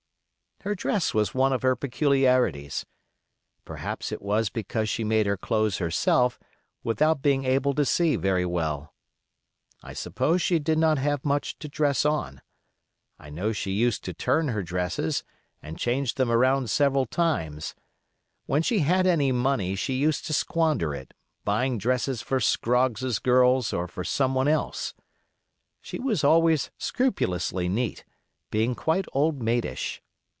Her dress was one of her peculiarities. Perhaps it was because she made her clothes herself, without being able to see very well. I suppose she did not have much to dress on. I know she used to turn her dresses, and change them around several times. When she had any money she used to squander it, buying dresses for Scroggs's girls or for some one else. She was always scrupulously neat, being quite old maidish.